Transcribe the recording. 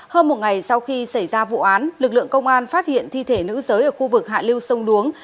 hơn một ngày sau khi xảy ra vụ án lực lượng công an phát hiện thi thể nữ giới ở khu vực hạ lưu sông đuống